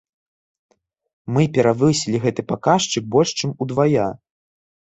Мы перавысілі гэты паказчык больш чым удвая!